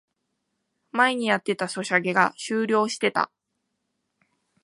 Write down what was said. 前にやってたソシャゲが終了してた